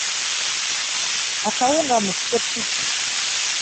Akawunga mu ssepiki.